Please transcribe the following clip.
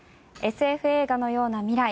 ＳＦ映画のような未来